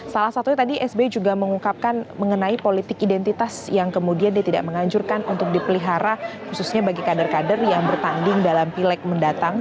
salah satunya tadi sby juga mengungkapkan mengenai politik identitas yang kemudian dia tidak menganjurkan untuk dipelihara khususnya bagi kader kader yang bertanding dalam pileg mendatang